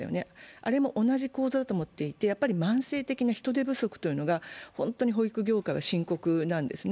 あれも同じ構造だと思っていて、やっぱり慢性的な人手不足というのが保育業界は深刻なんですね。